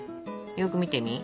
よく見てみ。